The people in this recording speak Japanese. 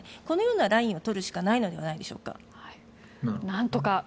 このようなラインを取るしかないのではないでしょうか。